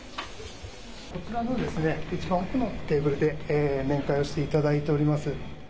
こちらのいちばん奥のテーブルで面会をしていただいております。